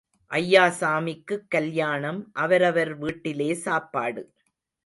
ஐயாசாமிக்குக் கல்யாணம் அவரவர் வீட்டிலே சாப்பாடு.